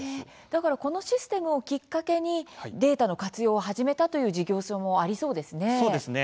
だから、このシステムをきっかけにデータの活用を始めたという事業所もありそうですね。